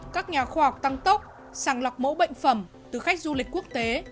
các nhà khoa học tăng tốc sàng lọc mẫu bệnh phẩm từ khách du lịch quốc tế